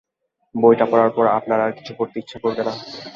বইটা পড়ার পর আপনার আর কিছু পড়তে ইচ্ছা করবে না।